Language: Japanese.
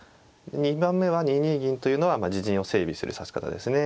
２番目は２二銀というのは自陣を整備する指し方ですね。